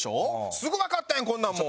すぐわかったやんこんなんもう。